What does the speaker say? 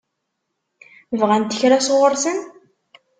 Bɣant kra sɣur-sen?